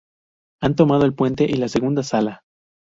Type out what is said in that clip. Han tomado el puente y la segunda sala.